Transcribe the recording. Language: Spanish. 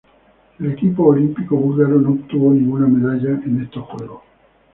El equipo olímpico búlgaro no obtuvo ninguna medalla en estos Juegos.